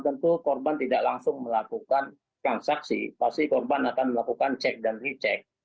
tentu korban tidak langsung melakukan transaksi pasti korban akan melakukan cek dan recheck